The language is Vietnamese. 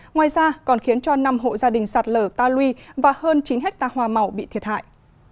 ngoài ra còn khiến cho năm hộ gia đình sạt lở ta lui và hơn chín hectare hoa màu bị thiệt hại